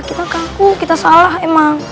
kita kaku kita salah emang